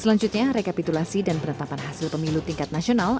selanjutnya rekapitulasi dan penetapan hasil pemilu tingkat nasional